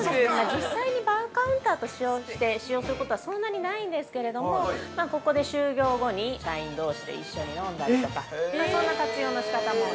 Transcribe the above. ◆実際にバーカウンターとして使用することは、そんなにないんですけれどもここで就業後に、社員どうしで一緒に飲んだりとか、そんな活用の仕方も。